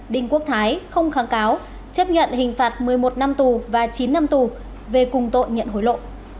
đinh quốc thái không kháng cáo chấp nhận hình phạt một mươi một năm tù và chín năm tù về cùng tội nhận hối lộ